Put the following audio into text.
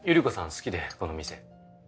好きでこの店。